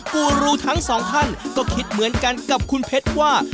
กูรูทั้งสองท่านก็คิดเหมือนกันกับคุณเพชรว่า